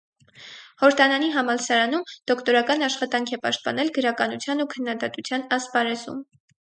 Հորդանանի համալսարանում դոկտորական աշխատանք է պաշտպանել գրականության ու քննադատության ասպարեզում։